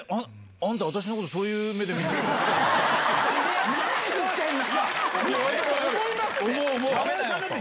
あんた、私のこと、そういう目で見てるの？って。